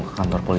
udah ke kamar dulu